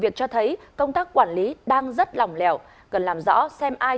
chứ không xuống sân chơi